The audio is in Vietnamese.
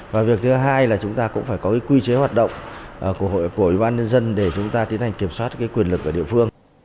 và việc thứ hai là chúng ta cũng phải có quy chế hoạt động của ủy ban nhân dân để chúng ta tiến hành kiểm soát quyền lực ở địa phương